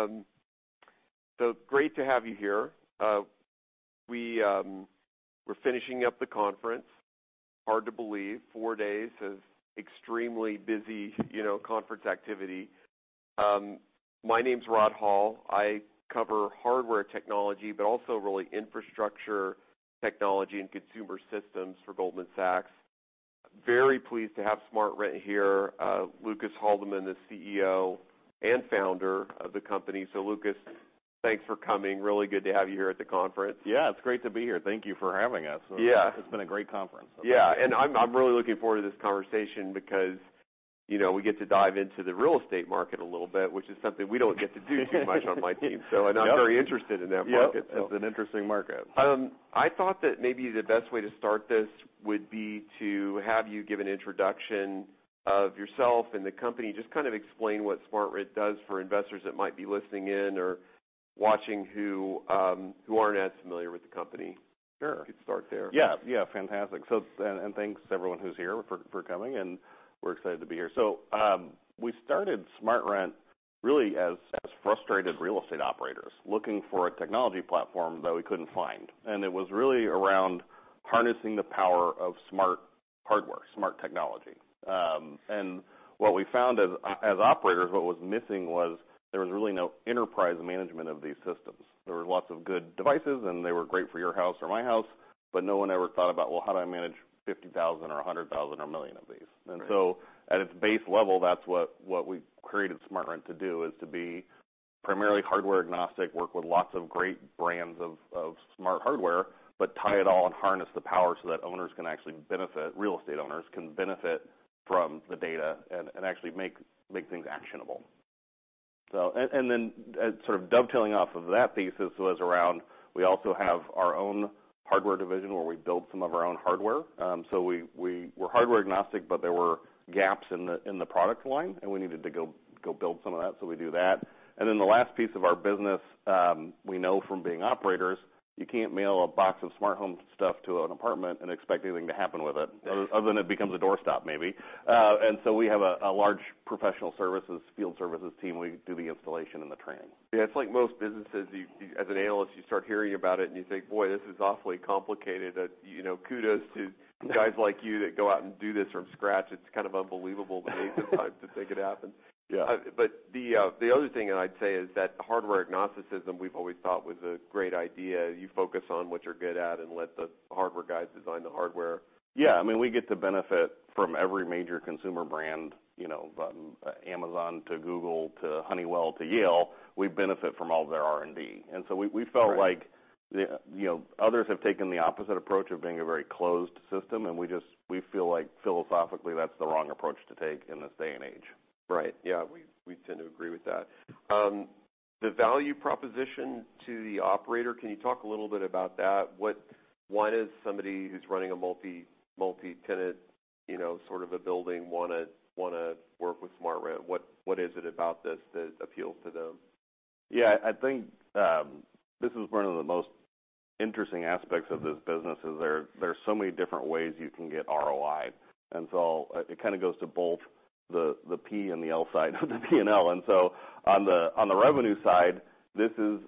Welcome. Thank you. Great to have you here. We're finishing up the conference. Hard to believe four days of extremely busy, you know, conference activity. My name's Rod Hall. I cover hardware technology, but also really infrastructure technology and consumer systems for Goldman Sachs. Very pleased to have SmartRent here. Lucas Haldeman, the CEO and Founder of the company. Lucas, thanks for coming. Really good to have you here at the conference. Yeah, it's great to be here. Thank you for having us. Yeah. It's been a great conference. Yeah. I'm really looking forward to this conversation because, you know, we get to dive into the real estate market a little bit, which is something we don't get to do too much on my team. Yep. I'm very interested in that market, so. Yep. It's an interesting market. I thought that maybe the best way to start this would be to have you give an introduction of yourself and the company. Just kind of explain what SmartRent does for investors that might be listening in or watching who aren't as familiar with the company. Sure. Could start there. Yeah. Yeah. Fantastic. Thanks everyone who's here for coming, and we're excited to be here. We started SmartRent really as frustrated real estate operators looking for a technology platform that we couldn't find, and it was really around harnessing the power of smart hardware, smart technology. What we found as operators, what was missing was there was really no enterprise management of these systems. There was lots of good devices, and they were great for your house or my house, but no one ever thought about, well, how do I manage 50,000 or 100,000 or a million of these? Right. At its base level, that's what we created SmartRent to do, is to be primarily hardware agnostic, work with lots of great brands of smart hardware, but tie it all and harness the power so that owners can actually benefit. Real estate owners can benefit from the data and actually make things actionable. Then, sort of dovetailing off of that thesis was around we also have our own hardware division where we build some of our own hardware. So we were hardware agnostic, but there were gaps in the product line, and we needed to go build some of that. We do that. The last piece of our business, we know from being operators you can't mail a box of smart home stuff to an apartment and expect anything to happen with it. Yeah. Other than it becomes a door stop, maybe. We have a large professional services, field services team where we do the installation and the training. Yeah, it's like most businesses, you as an analyst, you start hearing about it and you think, "Boy, this is awfully complicated." You know, kudos to guys like you that go out and do this from scratch. It's kind of unbelievable the length of time to make it happen. Yeah. The other thing I'd say is that hardware agnosticism, we've always thought was a great idea. You focus on what you're good at and let the hardware guys design the hardware. Yeah. I mean, we get to benefit from every major consumer brand, you know, from Amazon to Google to Honeywell to Yale. We benefit from all of their R&D. Right. We felt like, you know, others have taken the opposite approach of being a very closed system, and we just we feel like philosophically, that's the wrong approach to take in this day and age. Right. Yeah. We tend to agree with that. The value proposition to the operator, can you talk a little bit about that? What, why does somebody who's running a multi-tenant, you know, sort of a building wanna work with SmartRent? What is it about this that appeals to them? Yeah. I think this is one of the most interesting aspects of this business is there are so many different ways you can get ROI. It kind of goes to both the P and the L side of the P&L. On the revenue side this is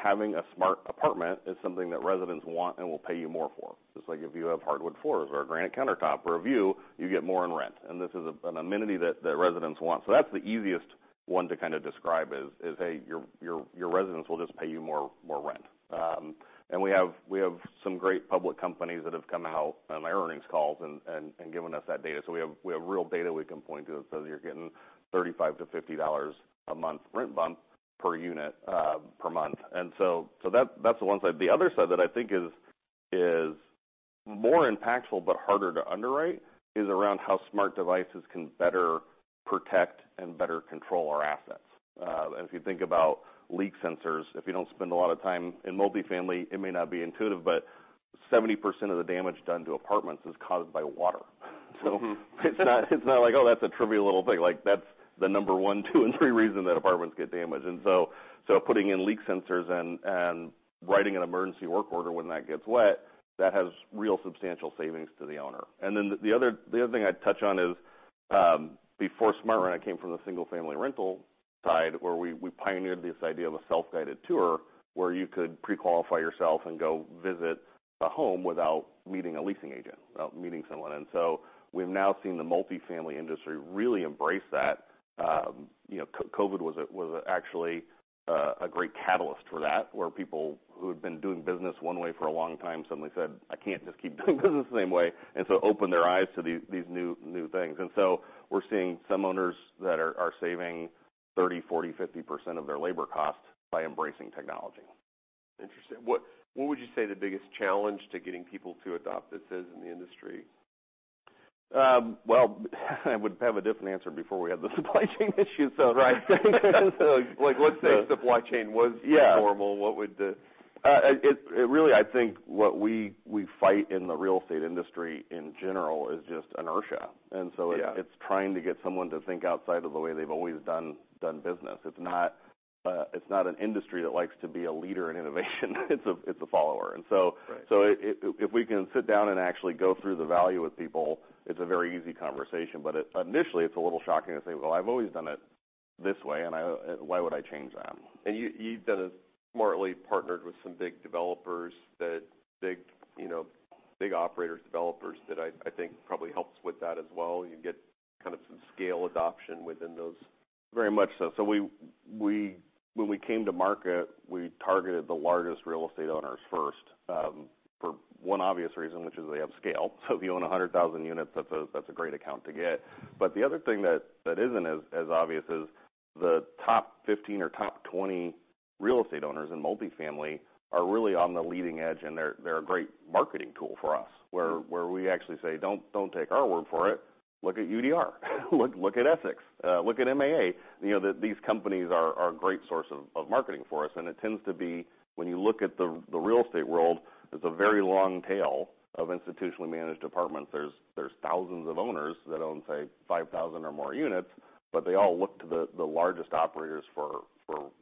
having a smart apartment is something that residents want and will pay you more for. Just like if you have hardwood floors or a granite countertop or a view, you get more in rent, and this is an amenity that residents want. That's the easiest one to kind of describe is hey, your residents will just pay you more rent. We have some great public companies that have come out on their earnings calls and given us that data. We have real data we can point to that says you're getting $35-$50 a month rent bump per unit, per month. That's the one side. The other side that I think is more impactful but harder to underwrite is around how smart devices can better protect and better control our assets. If you think about leak sensors, if you don't spend a lot of time in multifamily, it may not be intuitive, but 70% of the damage done to apartments is caused by water. Mm-hmm. It's not like, oh, that's a trivial little thing. Like, that's the number one, two, and three reason that apartments get damaged. Putting in leak sensors and writing an emergency work order when that gets wet, that has real substantial savings to the owner. The other thing I'd touch on is, before SmartRent, I came from the single-family rental side, where we pioneered this idea of a Self-Guided Tour where you could pre-qualify yourself and go visit a home without meeting a leasing agent, without meeting someone. We've now seen the multifamily industry really embrace that. You know, COVID was actually a great catalyst for that, where people who had been doing business one way for a long time suddenly said, "I can't just keep doing business the same way," and opened their eyes to these new things. We're seeing some owners that are saving 30, 40, 50% of their labor cost by embracing technology. Interesting. What would you say the biggest challenge to getting people to adopt this is in the industry? Well, I would have a different answer before we had the supply chain issue. Right. Like, let's say supply chain was normal. Yeah. What would the It really, I think what we fight in the real estate industry in general is just inertia. Yeah. It's trying to get someone to think outside of the way they've always done business. It's not an industry that likes to be a leader in innovation. It's a follower. Right If we can sit down and actually go through the value with people, it's a very easy conversation, but initially, it's a little shocking to say, "Well, I've always done it this way, and why would I change that? You've done it smartly, partnered with some big developers, you know, big operators, developers that I think probably helps with that as well. You get kind of some scale adoption within those. Very much so. When we came to market, we targeted the largest real estate owners first, for one obvious reason, which is they have scale. If you own 100,000 units, that's a great account to get. The other thing that isn't as obvious is the top 15 or top 20 real estate owners in multifamily are really on the leading edge, and they're a great marketing tool for us. Mm. Where we actually say, "Don't take our word for it. Look at UDR." "Look at Essex. Look at MAA." You know, these companies are a great source of marketing for us, and it tends to be when you look at the real estate world, it's a very long tail of institutionally managed apartments. There's thousands of owners that own, say, 5,000 or more units, but they all look to the largest operators for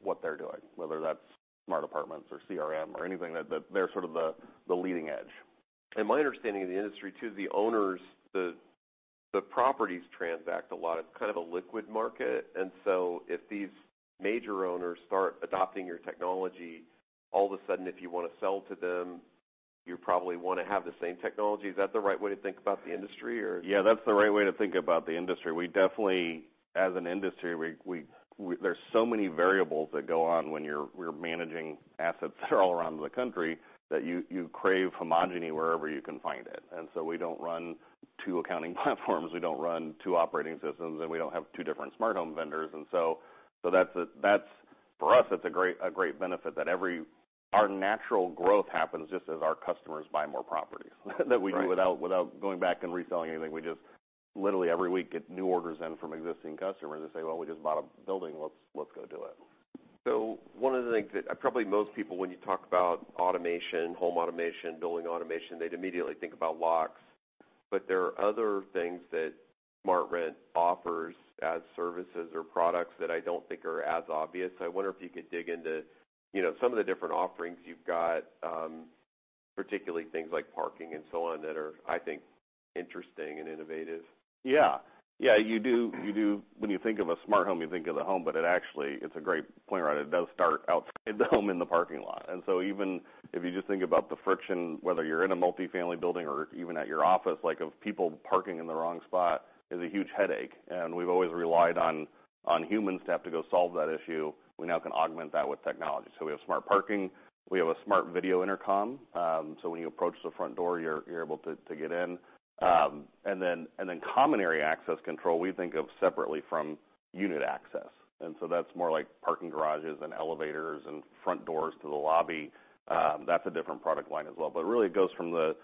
what they're doing, whether that's smart apartments or CRM or anything that they're sort of the leading edge. My understanding of the industry too, the owners, the properties transact a lot. It's kind of a liquid market. If these major owners start adopting your technology, all of a sudden, if you wanna sell to them, you probably wanna have the same technology. Is that the right way to think about the industry or? Yeah, that's the right way to think about the industry. We definitely, as an industry, there's so many variables that go on when you're managing assets that are all around the country that you crave homogeneity wherever you can find it. We don't run two accounting platforms, we don't run two operating systems, and we don't have two different smart home vendors. That's, for us, it's a great benefit. Our natural growth happens just as our customers buy more properties, that we do. Right Without going back and reselling anything. We just literally every week get new orders in from existing customers that say, "Well, we just bought a building. Let's go do it. One of the things that probably most people, when you talk about automation, home automation, building automation, they'd immediately think about locks, but there are other things that SmartRent offers as services or products that I don't think are as obvious. I wonder if you could dig into, you know, some of the different offerings you've got, particularly things like parking and so on that are, I think, interesting and innovative. Yeah. Yeah, you do when you think of a smart home, you think of the home, but it actually, it's a great point, right? It does start outside the home in the parking lot. Even if you just think about the friction, whether you're in a multifamily building or even at your office, like, of people parking in the wrong spot is a huge headache, and we've always relied on humans to have to go solve that issue. We now can augment that with technology. We have smart parking. We have a smart video intercom. When you approach the front door, you're able to get in. And then common area Access Control we think of separately from unit access. That's more like parking garages and elevators and front doors to the lobby. That's a different product line as well. Really it goes from the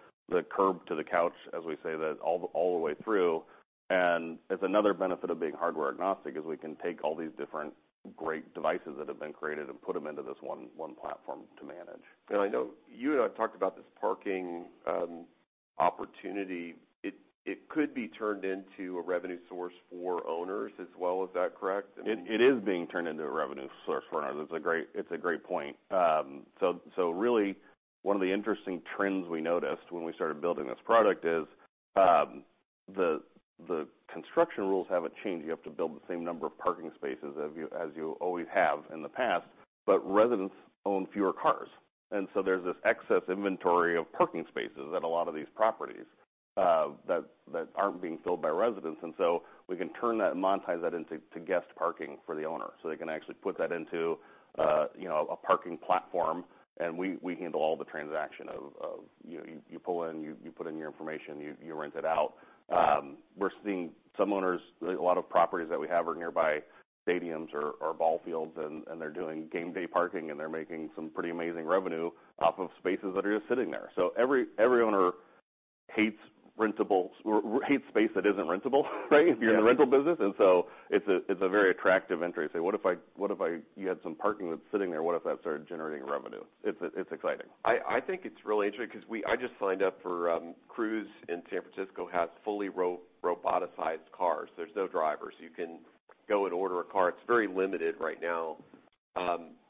curb to the couch, as we say that all the way through. It's another benefit of being hardware-agnostic, is we can take all these different great devices that have been created and put them into this one platform to manage. I know you and I talked about this parking opportunity. It could be turned into a revenue source for owners as well. Is that correct? I mean It is being turned into a revenue source for owners. It's a great point. Really one of the interesting trends we noticed when we started building this product is the construction rules haven't changed. You have to build the same number of parking spaces as you always have in the past, but residents own fewer cars. There's this excess inventory of parking spaces at a lot of these properties that aren't being filled by residents. We can turn that and monetize that into guest parking for the owner. They can actually put that into you know a parking platform, and we handle all the transactions. You pull in, you put in your information, you rent it out. We're seeing some owners, a lot of properties that we have are nearby stadiums or ball fields, and they're doing game day parking, and they're making some pretty amazing revenue off of spaces that are just sitting there. Every owner hates space that isn't rentable, right? Yeah. If you're in the rental business. It's a very attractive entry to say, "What if I." You had some parking that's sitting there, what if that started generating revenue? It's exciting. I think it's really interesting 'cause I just signed up for Cruise in San Francisco. It has fully roboticized cars. There's no drivers. You can go and order a car. It's very limited right now.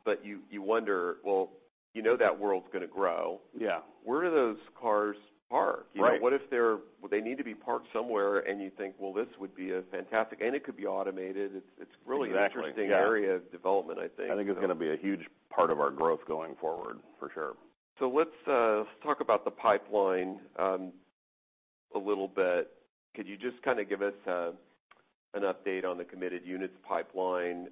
But you wonder, well, you know that world's gonna grow. Yeah. Where do those cars park? Right. You know, what if they need to be parked somewhere, and you think, well, this would be a fantastic. It could be automated. It's really Exactly, yeah. an interesting area of development, I think. I think it's gonna be a huge part of our growth going forward, for sure. Let's talk about the pipeline a little bit. Could you just kind of give us an update on the committed units pipeline?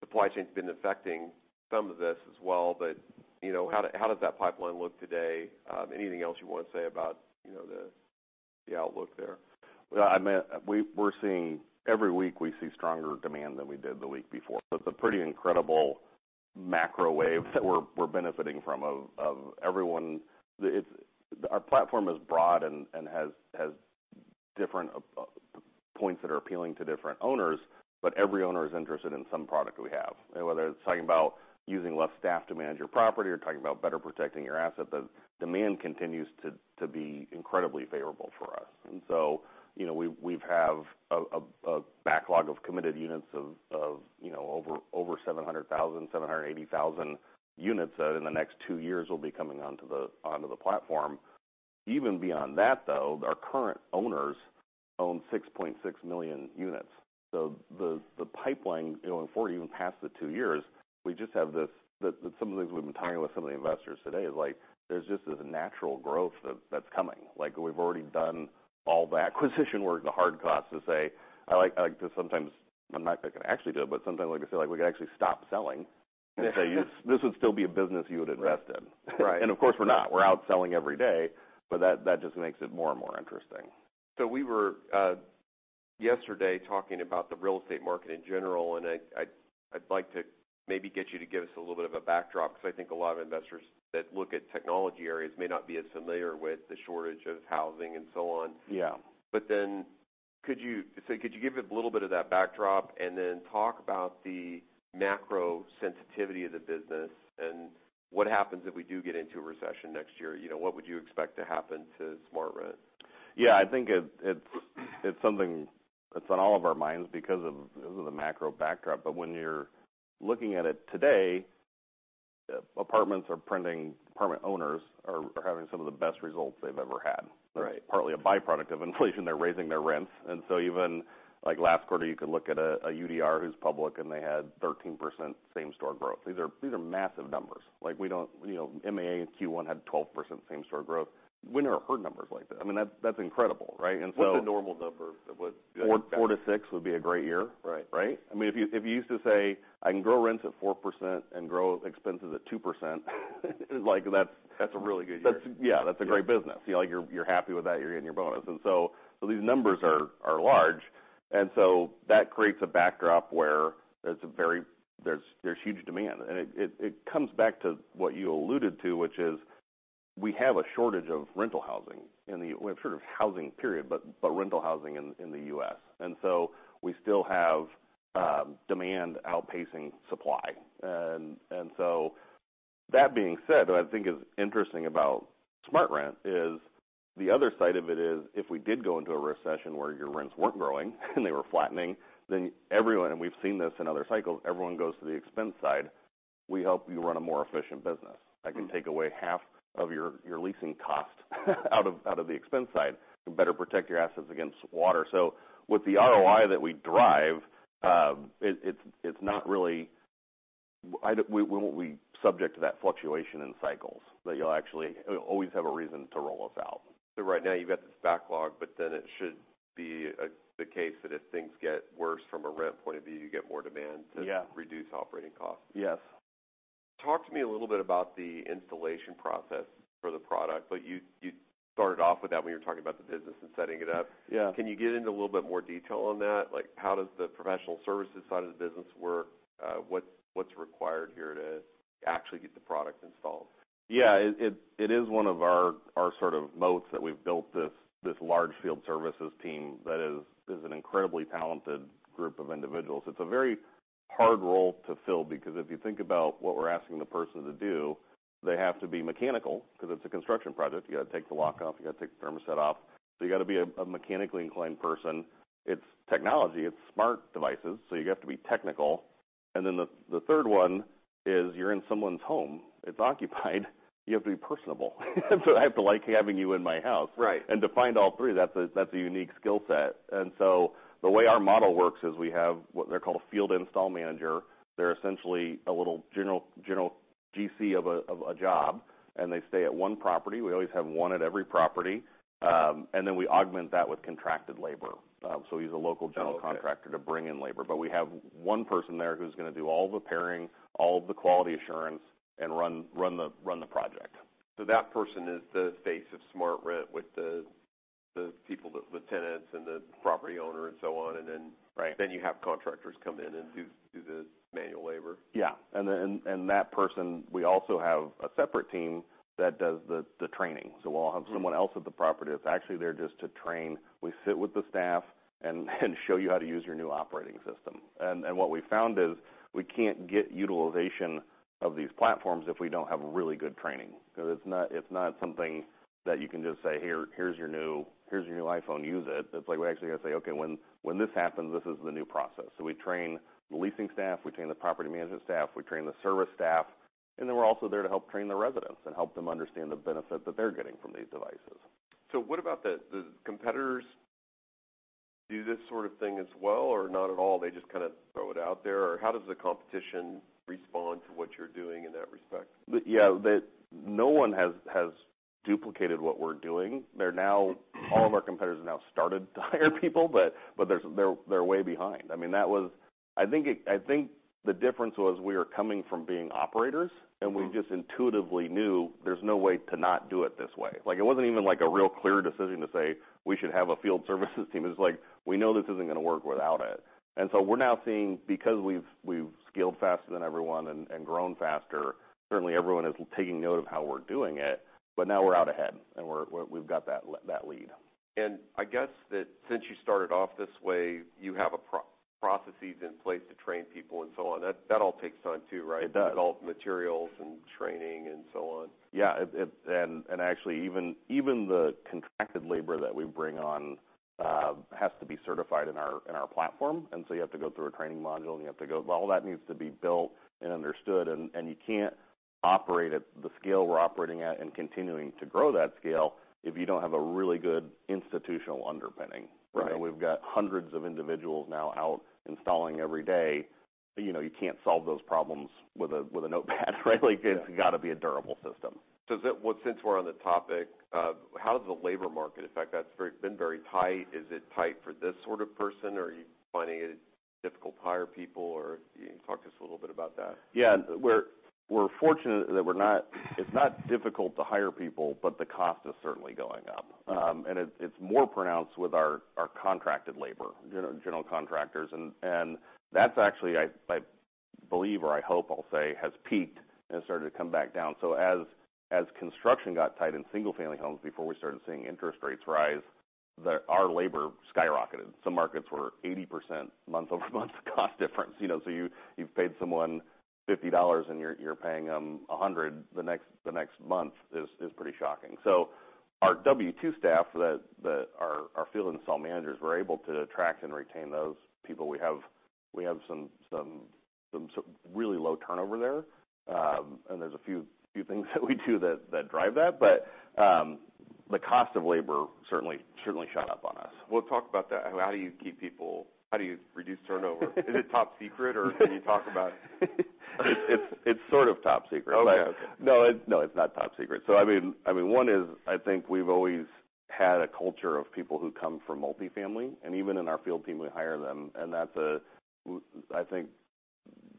Supply chain's been affecting some of this as well, but you know, how does that pipeline look today? Anything else you wanna say about you know, the outlook there? Well, I mean, we're seeing every week we see stronger demand than we did the week before. It's a pretty incredible macro wave that we're benefiting from of everyone. It's our platform is broad and has different points that are appealing to different owners, but every owner is interested in some product we have, whether it's talking about using less staff to manage your property or talking about better protecting your asset. The demand continues to be incredibly favorable for us. You know, we have a backlog of committed units, you know, over 780,000 units that in the next two years will be coming onto the platform. Even beyond that, though, our current owners own 6.6 million units. The pipeline, you know, and before we even pass the two years, we just have this. That some of the things we've been talking about some of the investors today is like, there's just this natural growth that's coming. Like, we've already done all the acquisition work, the hard cost to say, I like to sometimes. I'm not going to actually do it, but sometimes I can say, like, we could actually stop selling and say, "This would still be a business you would invest in. Right. Of course, we're not. We're out selling every day, but that just makes it more and more interesting. We were yesterday talking about the real estate market in general, and I'd like to maybe get you to give us a little bit of a backdrop because I think a lot of investors that look at technology areas may not be as familiar with the shortage of housing and so on. Yeah. Could you give a little bit of that backdrop and then talk about the macro sensitivity of the business and what happens if we do get into a recession next year? You know, what would you expect to happen to SmartRent? Yeah. I think it's something that's on all of our minds because of the macro backdrop. When you're looking at it today, apartments are printing. Apartment owners are having some of the best results they've ever had. Right. Partly a by-product of inflation. They're raising their rents. Even, like, last quarter, you could look at a UDR who's public, and they had 13% same-store growth. These are massive numbers. Like, we don't. You know, MAA in Q1 had 12% same-store growth. We never heard numbers like that. I mean, that's incredible, right? What's the normal number of what good- 4-6 would be a great year. Right. Right? I mean, if you used to say, "I can grow rents at 4% and grow expenses at 2%," like that's. That's a really good year. Yeah, that's a great business. You know, like, you're happy with that, you're getting your bonus. These numbers are large. That creates a backdrop where there's huge demand. It comes back to what you alluded to, which is we have a shortage of rental housing. We have a shortage of housing period, but rental housing in the US. We still have demand outpacing supply. That being said, what I think is interesting about SmartRent is the other side of it is if we did go into a recession where your rents weren't growing and they were flattening, then everyone, and we've seen this in other cycles, everyone goes to the expense side. We help you run a more efficient business. Mm-hmm. I can take away half of your leasing cost out of the expense side and better protect your assets against water. With the ROI that we drive, we won't be subject to that fluctuation in cycles, that you'll actually always have a reason to roll us out. Right now you've got this backlog, but then it should be the case that if things get worse from a rent point of view, you get more demand to Yeah. Reduce operating costs. Yes. Talk to me a little bit about the installation process for the product. You started off with that when you were talking about the business and setting it up. Yeah. Can you get into a little bit more detail on that? Like, how does the professional services side of the business work? What's required here to actually get the product installed? Yeah. It is one of our sort of moats that we've built this large field services team that is an incredibly talented group of individuals. It's a very hard role to fill because if you think about what we're asking the person to do, they have to be mechanical because it's a construction project. You got to take the lock off, you got to take the thermostat off. You got to be a mechanically inclined person. It's technology, it's smart devices, so you have to be technical. Then the third one is you're in someone's home, it's occupied, you have to be personable. I have to like having you in my house. Right. To find all three, that's a unique skill set. The way our model works is we have what they're called a Field Install Manager. They're essentially a little general GC of a job, and they stay at one property. We always have one at every property. We augment that with contracted labor. We use a local general contractor to bring in labor. We have one person there who's gonna do all the pairing, all the quality assurance, and run the project. That person is the face of SmartRent with the people, the tenants and the property owner and so on. Right. You have contractors come in and do the manual labor. Yeah. That person, we also have a separate team that does the training. We'll have someone else at the property that's actually there just to train. We sit with the staff and show you how to use your new operating system. What we found is we can't get utilization of these platforms if we don't have really good training. Because it's not something that you can just say, "Here, here's your new iPhone, use it." It's like we actually gotta say, "Okay, when this happens, this is the new process." We train the leasing staff, we train the property management staff, we train the service staff, and then we're also there to help train the residents and help them understand the benefit that they're getting from these devices. What about the competitors do this sort of thing as well, or not at all, they just kind of throw it out there? Or how does the competition respond to what you're doing in that respect? Yeah. No one has duplicated what we're doing. All of our competitors have now started to hire people, but they're way behind. I mean, I think the difference was we were coming from being operators. Mm-hmm. we just intuitively knew there's no way to not do it this way. Like, it wasn't even like a real clear decision to say, "We should have a field services team." It's like, we know this isn't gonna work without it. We're now seeing because we've scaled faster than everyone and grown faster, certainly everyone is taking note of how we're doing it. Now we're out ahead and we've got that lead. I guess that since you started off this way, you have processes in place to train people and so on. That all takes time too, right? It does. Develop materials and training and so on. Yeah. Actually, even the contracted labor that we bring on has to be certified in our platform, so you have to go through a training module. All that needs to be built and understood. You can't operate at the scale we're operating at and continuing to grow that scale if you don't have a really good institutional underpinning. Right. You know, we've got hundreds of individuals now out installing every day. You know, you can't solve those problems with a notepad, right? Yeah. Like, it's gotta be a durable system. Well, since we're on the topic, how does the labor market affect? That's been very tight. Is it tight for this sort of person? Are you finding it difficult to hire people? Can you talk to us a little bit about that? Yeah. We're fortunate that it's not difficult to hire people, but the cost is certainly going up. It's more pronounced with our contracted labor, you know, general contractors. That's actually, I believe or I hope I'll say, has peaked and started to come back down. As construction got tight in single-family homes before we started seeing interest rates rise, our labor skyrocketed. Some markets were 80% month-over-month cost difference. You know, so you've paid someone $50 and you're paying 'em $100 the next month is pretty shocking. Our W-2 staff that our Field Install Managers, we're able to attract and retain those people. We have some really low turnover there. There's a few things that we do that drive that. The cost of labor certainly shot up on us. Well, talk about that. How do you reduce turnover? Is it top secret or can you talk about it? It's sort of top secret. Okay. No, it's not top secret. I mean, one is, I think we've always had a culture of people who come from multifamily, and even in our field team, we hire them. I think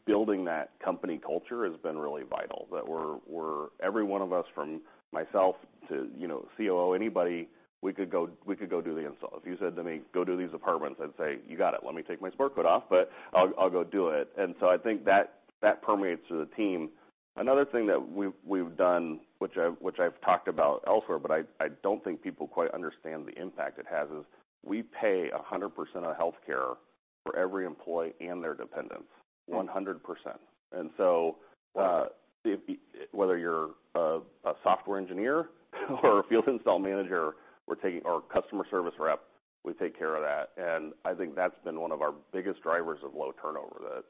building that company culture has been really vital, that we're every one of us from myself to, you know, COO, anybody, we could go do the install. If you said to me, "Go do these apartments," I'd say, "You got it. Let me take my sport coat off, but I'll go do it." I think that permeates through the team. Another thing that we've done, which I've talked about elsewhere, but I don't think people quite understand the impact it has is we pay 100% of healthcare for every employee and their dependents. 100%. Whether you're a software engineer or a Field Install Manager or a customer service rep, we take care of that. I think that's been one of our biggest drivers of low turnover is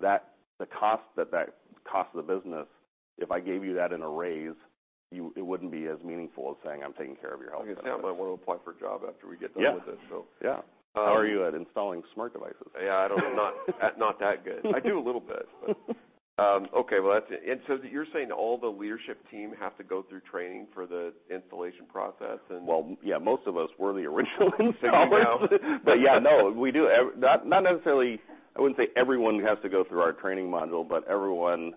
that the cost that costs the business, if I gave you that in a raise, it wouldn't be as meaningful as saying, "I'm taking care of your health. I guess now I wanna apply for a job after we get done with this. Yeah. So. Yeah. How are you at installing smart devices? Yeah, I don't know. Not that good. I do a little bit, but. Okay. Well, that's it. You're saying all the leadership team have to go through training for the installation process and- Well, yeah, most of us were the original installers. You know. Yeah, no. Not necessarily. I wouldn't say everyone has to go through our training module, but everyone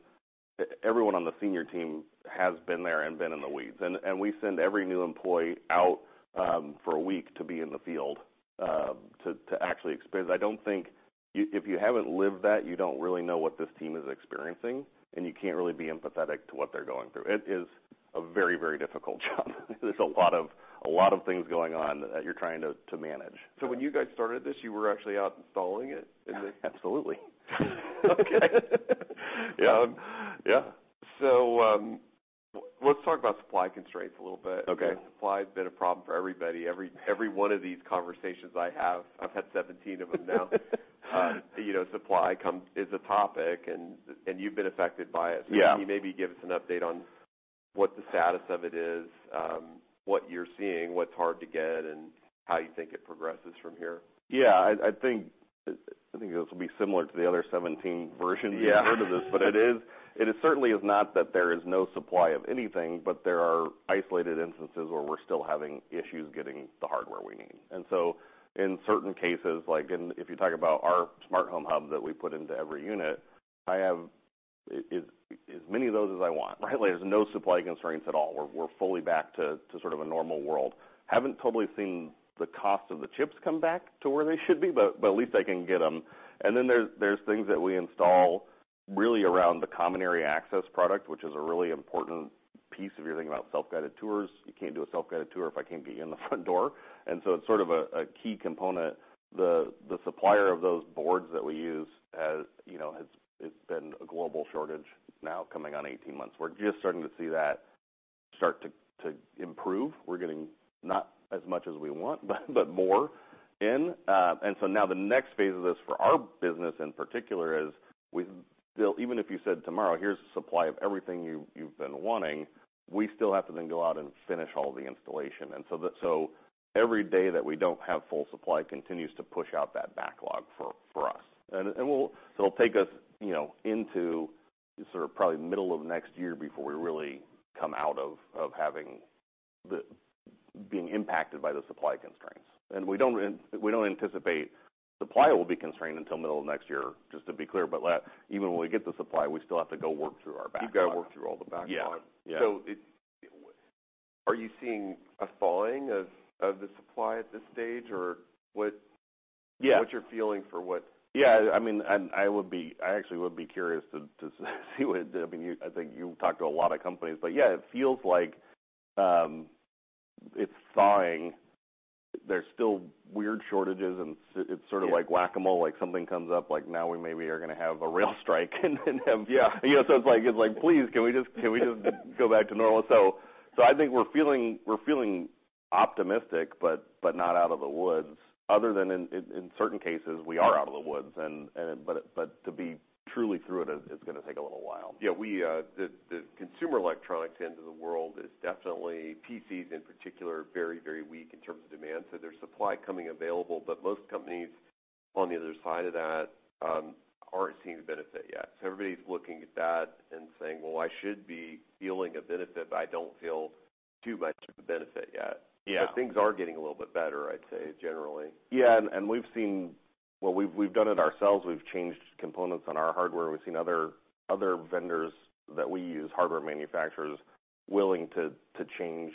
on the senior team has been there and been in the weeds. We send every new employee out for a week to be in the field to actually experience. I don't think if you haven't lived that, you don't really know what this team is experiencing, and you can't really be empathetic to what they're going through. It is a very, very difficult job. There's a lot of things going on that you're trying to manage. When you guys started this, you were actually out installing it? Absolutely. Okay. Yeah. Yeah. Let's talk about supply constraints a little bit. Okay. Supply has been a problem for everybody. Every one of these conversations I have, I've had 17 of them now, you know, supply is a topic, and you've been affected by it. Yeah. Can you maybe give us an update on what the status of it is, what you're seeing, what's hard to get, and how you think it progresses from here? Yeah. I think this will be similar to the other 17 versions you've heard of this. Yeah. It is certainly not that there is no supply of anything, but there are isolated instances where we're still having issues getting the hardware we need. In certain cases, like, if you talk about our smart home hub that we put into every unit, I have as many of those as I want, right? Like, there's no supply constraints at all. We're fully back to sort of a normal world. Haven't totally seen the cost of the chips come back to where they should be, but at least I can get them. Then there's things that we install really around the Access Control product, which is a really important piece if you're thinking about self-guided tours. You can't do a self-guided tour if I can't get you in the front door. It's sort of a key component. The supplier of those boards that we use has, you know, it's been a global shortage now coming on 18 months. We're just starting to see that start to improve. We're getting not as much as we want, but more in. Now the next phase of this for our business in particular is we still, even if you said tomorrow, "Here's the supply of everything you've been wanting," we still have to then go out and finish all the installation. Every day that we don't have full supply continues to push out that backlog for us. It'll take us, you know, into sort of probably middle of next year before we really come out of being impacted by the supply constraints. We don't anticipate supply will be constrained until middle of next year, just to be clear. Even when we get the supply, we still have to go work through our backlog. You've got to work through all the backlog. Yeah. Yeah. Are you seeing a thawing of the supply at this stage, or what's your feeling for what- Yeah, I mean, I actually would be curious to see what it did. I mean, I think you talk to a lot of companies, but yeah, it feels like, it's thawing. There's still weird shortages, and it's sort of like. Yeah whack-a-mole, like something comes up, like now we maybe are gonna have a rail strike in Yeah. You know, it's like, please, can we just go back to normal. I think we're feeling optimistic, but not out of the woods, other than in certain cases we are out of the woods. To be truly through it is gonna take a little while. Yeah. The consumer electronics end of the world is definitely, PCs in particular, very weak in terms of demand. There's supply becoming available, but most companies on the other side of that aren't seeing the benefit yet. Everybody's looking at that and saying, "Well, I should be feeling a benefit, but I don't feel too much of a benefit yet. Yeah. Things are getting a little bit better, I'd say, generally. Yeah. We've seen. We've done it ourselves. We've changed components on our hardware. We've seen other vendors that we use, hardware manufacturers, willing to change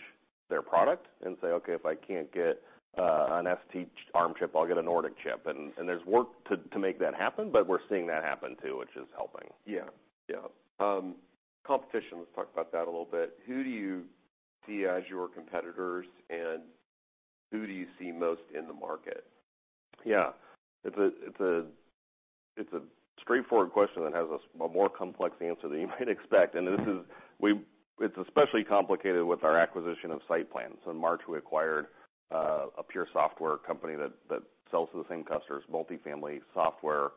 their product and say, "Okay, if I can't get an ST ARM chip, I'll get a Nordic chip." There's work to make that happen, but we're seeing that happen too, which is helping. Yeah. Yeah. Competition, let's talk about that a little bit. Who do you see as your competitors, and who do you see most in the market? It's a straightforward question that has a more complex answer than you might expect. It's especially complicated with our acquisition of SightPlan. In March, we acquired a pure software company that sells to the same customers, multifamily software,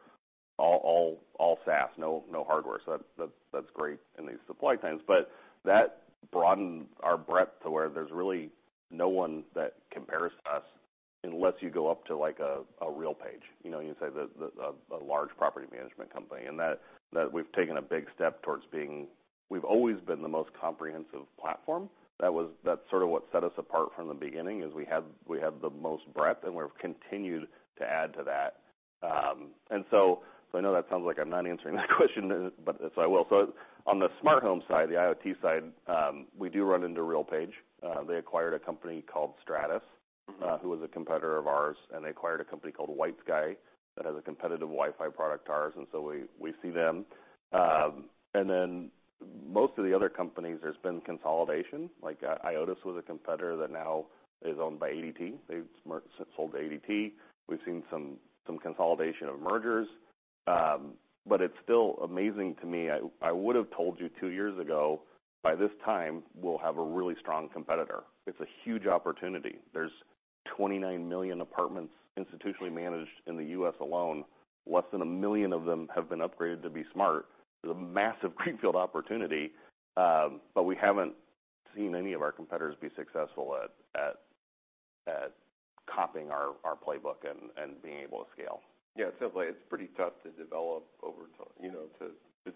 all SaaS, no hardware. That's great in these supply chains. That broadened our breadth to where there's really no one that compares to us unless you go up to, like, a RealPage, you know, you say the, a large property management company. We've taken a big step towards being. We've always been the most comprehensive platform. That's sort of what set us apart from the beginning, is we had, we have the most breadth, and we've continued to add to that. I know that sounds like I'm not answering that question, but so I will. On the smart home side, the IoT side, we do run into RealPage. They acquired a company called STRATIS- Mm-hmm Who was a competitor of ours, and they acquired a company called WhiteSky that has a competitive Wi-Fi product to ours, and so we see them. Most of the other companies, there's been consolidation. Like, IOTAS was a competitor that now is owned by ADT. They've sold to ADT. We've seen some consolidation of mergers. It's still amazing to me. I would have told you two years ago, by this time, we'll have a really strong competitor. It's a huge opportunity. There's 29 million apartments institutionally managed in the U.S. alone. Less than 1 million of them have been upgraded to be smart. There's a massive greenfield opportunity, but we haven't seen any of our competitors be successful at copying our playbook and being able to scale. Yeah. Simply, it's pretty tough, you know, to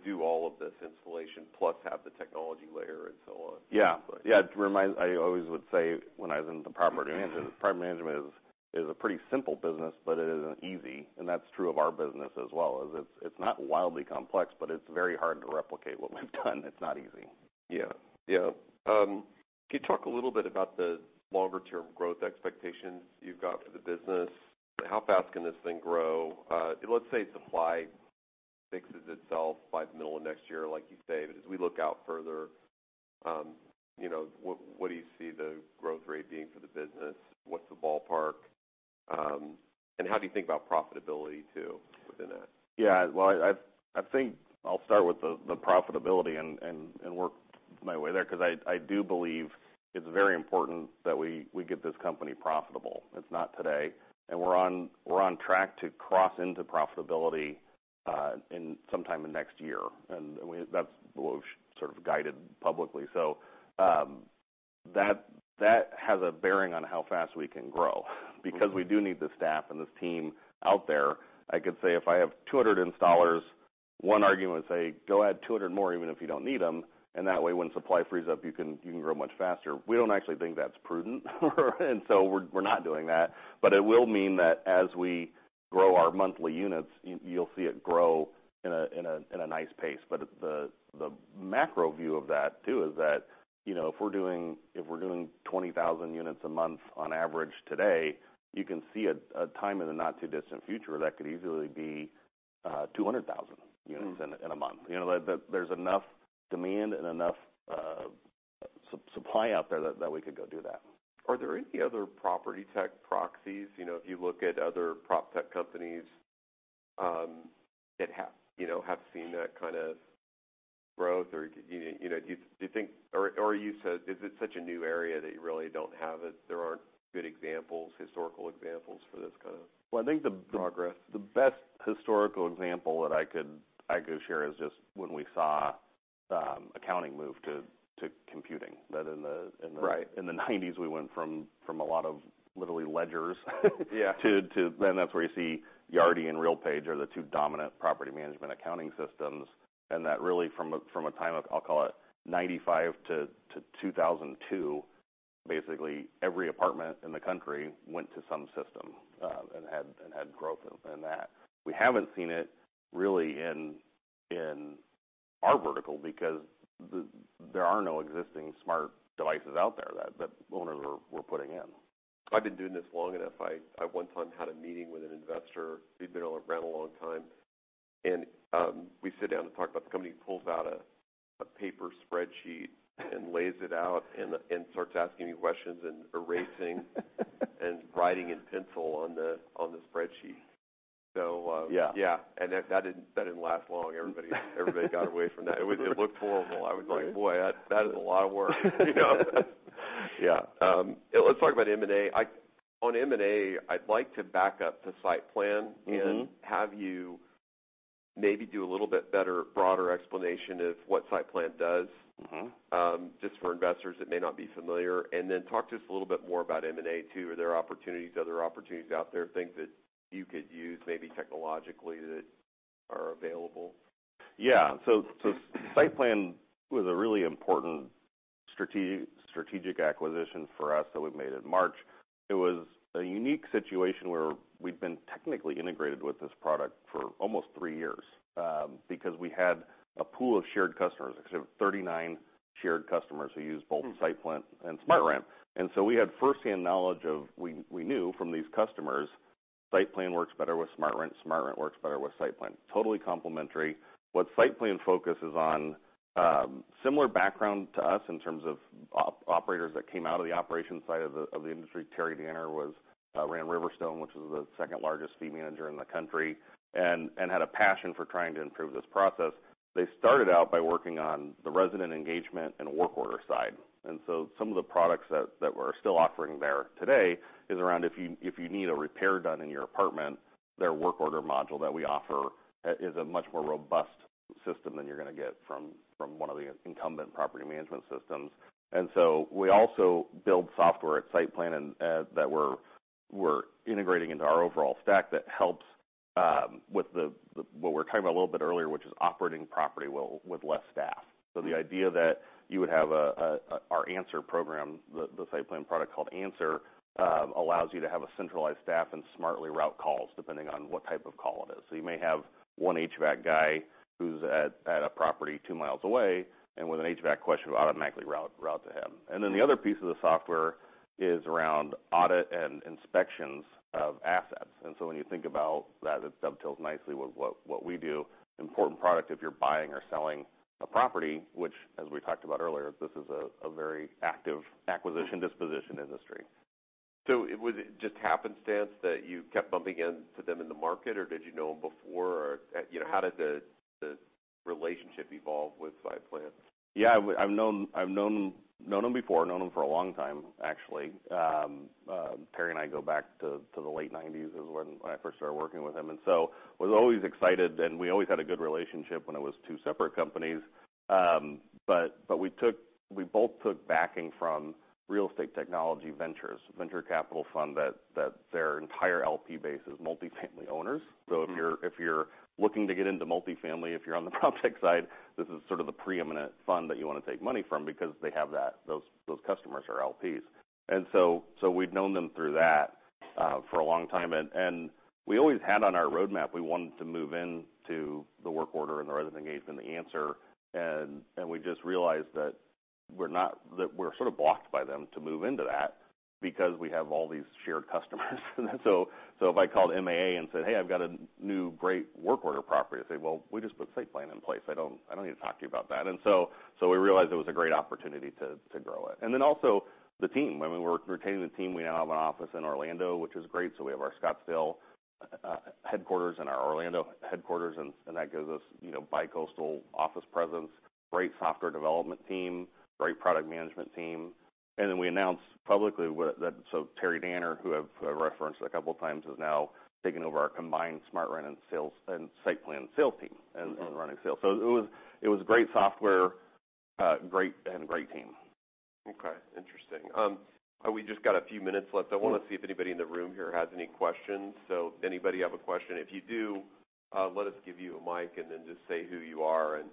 do all of this installation plus have the technology layer and so on. I always would say when I was into property management, property management is a pretty simple business, but it isn't easy, and that's true of our business as well. It's not wildly complex, but it's very hard to replicate what we've done. It's not easy. Yeah. Yeah. Can you talk a little bit about the longer-term growth expectations you've got for the business? How fast can this thing grow? Let's say supply fixes itself by the middle of next year, like you say, but as we look out further, you know, what do you see the growth rate being for the business? What's the ballpark? How do you think about profitability too within that? Yeah. Well, I think I'll start with the profitability and work my way there, 'cause I do believe it's very important that we get this company profitable. It's not today. We're on track to cross into profitability in sometime in next year. That's what we sort of guided publicly. That has a bearing on how fast we can grow, because we do need the staff and this team out there. I could say if I have 200 installers, one argument is say, "Go add 200 more even if you don't need them, and that way when supply frees up, you can grow much faster." We don't actually think that's prudent, and so we're not doing that. It will mean that as we grow our monthly units, you'll see it grow in a nice pace. The macro view of that too is that, you know, if we're doing 20,000 units a month on average today, you can see a time in the not too distant future that could easily be 200,000 units in a month. You know, there's enough demand and enough supply out there that we could go do that. Are there any other proptech proxies? You know, if you look at other proptech companies that have you know seen that kind of growth? Or do you you know think? Or you said is it such a new area that you really, there aren't good examples, historical examples for this kind of. Well, I think. -progress the best historical example that I could share is just when we saw accounting move to computing. Right In the nineties, we went from a lot of literally ledgers. Yeah That's where you see Yardi and RealPage are the two dominant property management accounting systems. That really from a time of, I'll call it 1995-2002, basically every apartment in the country went to some system and had growth in that. We haven't seen it really in Our vertical because there are no existing smart devices out there that owners were putting in. I've been doing this long enough. I one time had a meeting with an investor. He'd been around a long time. We sit down to talk about the company. He pulls out a paper spreadsheet and lays it out and starts asking me questions and writing in pencil on the spreadsheet. Yeah. Yeah. That didn't last long. Everybody got away from that. It looked horrible. I was like. Right Boy, that is a lot of work, you know? Yeah. Let's talk about M&A. On M&A, I'd like to back up to SightPlan. Mm-hmm Have you maybe do a little bit better, broader explanation of what SightPlan does. Mm-hmm. Just for investors that may not be familiar. Then talk to us a little bit more about M&A too. Are there opportunities, other opportunities out there, things that you could use maybe technologically that are available? SightPlan was a really important strategic acquisition for us that we made in March. It was a unique situation where we'd been technically integrated with this product for almost three years, because we had a pool of shared customers. We actually have 39 shared customers who use both- Mm-hmm SightPlan and SmartRent. We had first-hand knowledge. We knew from these customers SightPlan works better with SmartRent works better with SightPlan. Totally complementary. What SightPlan focuses on, similar background to us in terms of operators that came out of the operations side of the industry. Terry Danner ran Riverstone, which was the second-largest fee manager in the country, and had a passion for trying to improve this process. They started out by working on the resident engagement and work order side. Some of the products that we're still offering there today is around if you need a repair done in your apartment, their work order module that we offer is a much more robust system than you're gonna get from one of the incumbent property management systems. We also build software at SightPlan and that we're integrating into our overall stack that helps with what we were talking about a little bit earlier, which is operating properties with less staff. The idea that you would have our Answer program, the SightPlan product called Answer, allows you to have a centralized staff and smartly route calls depending on what type of call it is. You may have one HVAC guy who's at a property two miles away, and with an HVAC question, we'll automatically route to him. Then the other piece of the software is around audit and inspections of assets. When you think about that, it dovetails nicely with what we do. Important product if you're buying or selling a property, which, as we talked about earlier, this is a very active acquisition disposition industry. Was it just happenstance that you kept bumping into them in the market, or did you know them before? Or, you know, how did the relationship evolve with SightPlan? Yeah. I've known them for a long time, actually. Terry and I go back to the late 1990s is when I first started working with him. I was always excited, and we always had a good relationship when it was two separate companies. We both took backing from RET Ventures, venture capital fund that their entire LP base is multifamily owners. Mm-hmm. If you're looking to get into multifamily, if you're on the proptech side, this is sort of the preeminent fund that you want to take money from because they have that. Those customers are LPs. We'd known them through that for a long time. We always had on our roadmap, we wanted to move into the work order and the resident engagement and the Answer, and we just realized that we're sort of blocked by them to move into that because we have all these shared customers. If I called MAA and said, "Hey, I've got a new great work order property," they'd say, "Well, we just put SightPlan in place. I don't need to talk to you about that." We realized it was a great opportunity to grow it. Then also the team. I mean, we're retaining the team. We now have an office in Orlando, which is great. We have our Scottsdale headquarters and our Orlando headquarters, and that gives us, you know, bicoastal office presence. Great software development team, great product management team. We announced publicly. Terry Danner, who I've referenced a couple of times, has now taken over our combined SmartRent and SightPlan sales team. Okay... is running sales. It was great software, great, and a great team. Okay. Interesting. We just got a few minutes left. Mm-hmm. I want to see if anybody in the room here has any questions. Anybody have a question? If you do, let us give you a mic and then just say who you are and.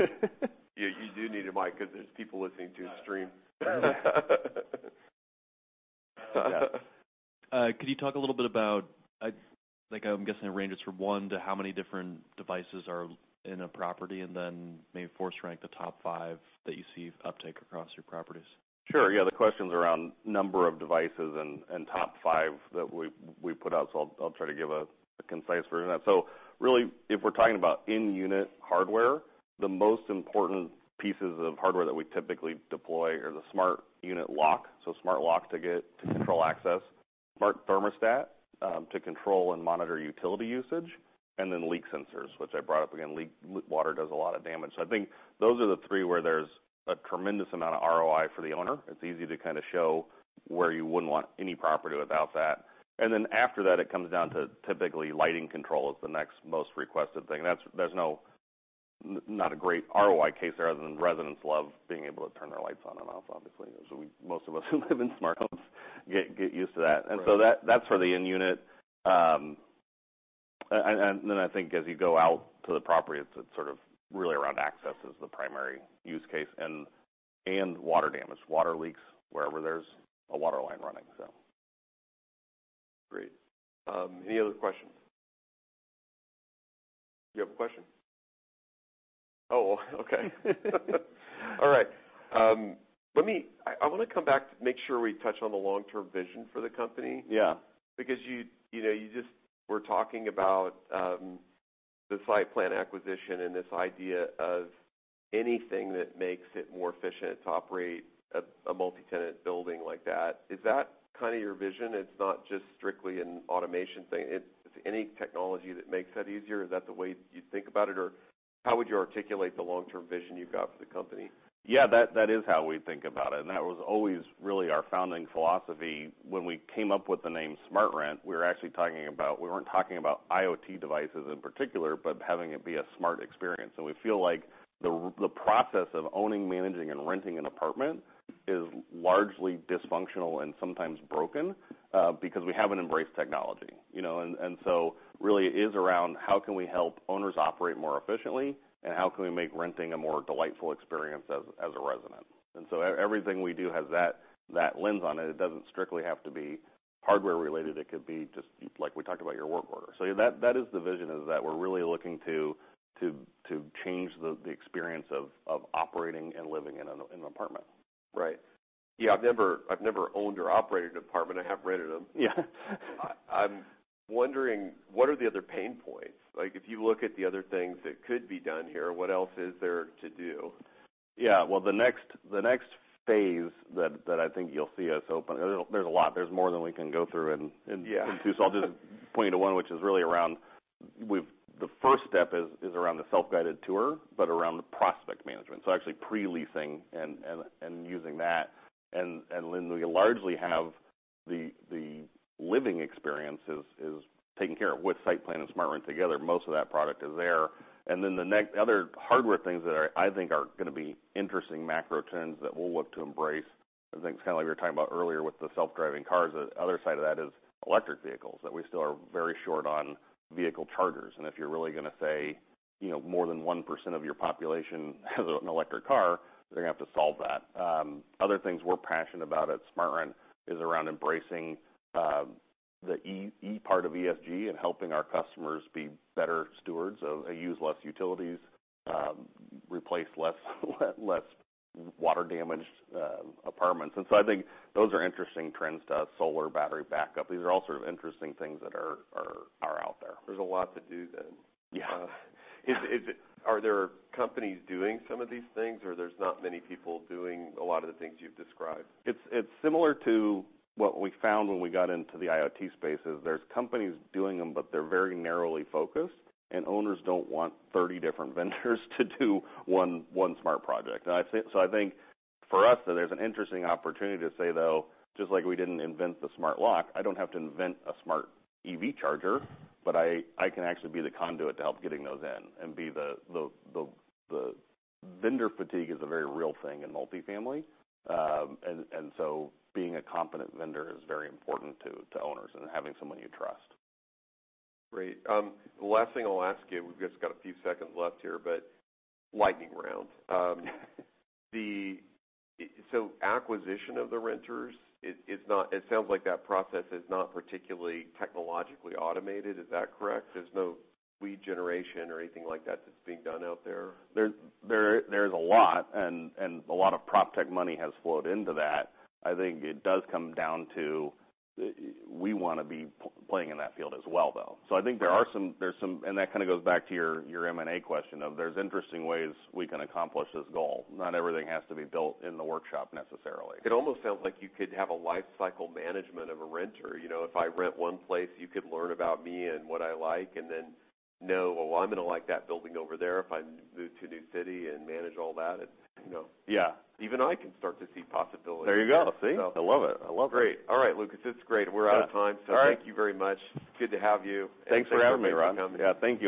You need a mic. Yeah, you do need a mic because there's people listening to the stream. Yeah. Yeah. Could you talk a little bit about like, I'm guessing it ranges from one to how many different devices are in a property, and then maybe force rank the top five that you see uptake across your properties? Sure. Yeah. The question's around number of devices and top five that we put out, so I'll try to give a concise version of that. Really, if we're talking about in-unit hardware, the most important pieces of hardware that we typically deploy are the smart unit lock, so smart lock to control access, smart thermostat, to control and monitor utility usage, and then leak sensors, which I brought up again. Leak water does a lot of damage. I think those are the three where there's a tremendous amount of ROI for the owner. It's easy to kind of show where you wouldn't want any property without that. Then after that, it comes down to typically lighting control is the next most requested thing. That's. There's no. Not a great ROI case there other than residents love being able to turn their lights on and off, obviously. We most of us who live in smart homes get used to that. Right. That's for the in-unit. Then I think as you go out to the property, it's sort of really around access is the primary use case and water damage, water leaks wherever there's a water line running. Great. Any other questions? You have a question? Oh, okay. All right. Let me, I wanna come back to make sure we touch on the long-term vision for the company. Yeah. Because you know you just were talking about the SightPlan acquisition and this idea of anything that makes it more efficient to operate a multi-tenant building like that. Is that kinda your vision? It's not just strictly an automation thing, it's any technology that makes that easier? Is that the way you think about it? Or how would you articulate the long-term vision you've got for the company? Yeah, that is how we think about it, and that was always really our founding philosophy. When we came up with the name SmartRent, we were actually talking about. We weren't talking about IoT devices in particular, but having it be a smart experience. We feel like the process of owning, managing, and renting an apartment is largely dysfunctional and sometimes broken, because we haven't embraced technology, you know? So really it is around how can we help owners operate more efficiently, and how can we make renting a more delightful experience as a resident. Everything we do has that lens on it. It doesn't strictly have to be hardware related, it could be just, like we talked about, your work order. Yeah, that is the vision, that we're really looking to change the experience of operating and living in an apartment. Right. Yeah. I've never owned or operated an apartment. I have rented them. Yeah. I'm wondering, what are the other pain points? Like, if you look at the other things that could be done here, what else is there to do? Yeah. Well, the next phase that I think you'll see us open. There's a lot. There's more than we can go through. Yeah.... in two, so I'll just point to one, which is really around. The first step is around the Self-Guided Tour, but around the prospect management, so actually pre-leasing and using that. Then we largely have the living experience taken care of. With SightPlan and SmartRent together, most of that product is there. Then the other hardware things that, I think, are gonna be interesting macro trends that we'll look to embrace. I think it's kinda like we were talking about earlier with the self-driving cars. The other side of that is electric vehicles, that we still are very short on vehicle chargers. If you're really gonna say, you know, more than 1% of your population has an electric car, they're gonna have to solve that. Other things we're passionate about at SmartRent is around embracing the E-E part of ESG, and helping our customers be better stewards of. They use less utilities, replace less water-damaged apartments. I think those are interesting trends. The solar battery backup. These are all sort of interesting things that are out there. There's a lot to do then. Yeah. Is it? Are there companies doing some of these things, or there's not many people doing a lot of the things you've described? It's similar to what we found when we got into the IoT space. There's companies doing them, but they're very narrowly focused, and owners don't want 30 different vendors to do one smart project. I think for us, there's an interesting opportunity to say, though, just like we didn't invent the smart lock, I don't have to invent a smart EV charger, but I can actually be the conduit to help getting those in. Vendor fatigue is a very real thing in multifamily. Being a competent vendor is very important to owners, and having someone you trust. Great. The last thing I'll ask you, we've just got a few seconds left here, lightning round. It sounds like that process is not particularly technologically automated. Is that correct? There's no lead generation or anything like that that's being done out there? There's a lot and a lot of proptech money has flowed into that. I think it does come down to we wanna be playing in that field as well though. Yeah. I think there are some. That kinda goes back to your M&A question, or there's interesting ways we can accomplish this goal. Not everything has to be built in the workshop necessarily. It almost sounds like you could have a life cycle management of a renter. You know, if I rent one place, you could learn about me and what I like, and then know, "Oh, well I'm gonna like that building over there if I move to a new city," and manage all that and you know. Yeah. Even I can start to see possibilities there. There you go. See? So- I love it. I love it. Great. All right, Lucas, it's great, and we're out of time. Yeah. All right. Thank you very much. It's good to have you. Thanks for having me, Rod. Thanks for being on the company. Yeah, thank you.